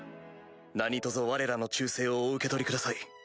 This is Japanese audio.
何とぞわれらの忠誠をお受け取りください。